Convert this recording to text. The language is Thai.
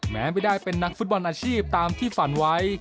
แม้ไม่ได้เป็นนักฟุตบอลอาชีพตามที่ฝันไว้